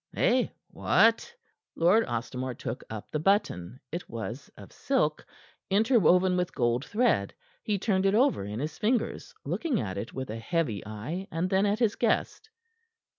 "Eh? What?" Lord Ostermore took up the button. It was of silk, interwoven with gold thread. He turned it over in his fingers, looking at it with a heavy eye, and then at his guest.